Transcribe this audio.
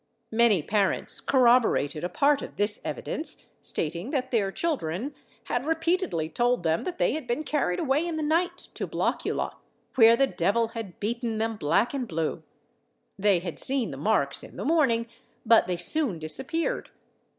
Many parents corroborated a part of this evidence, stating that their children had repeatedly told them that they had been carried away in the night to Blockula, where the devil had beaten them black and blue. They had seen the marks in the morning, but they soon disappeared.